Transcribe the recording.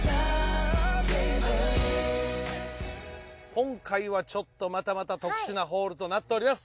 今回はちょっとまたまた特殊なホールとなっております。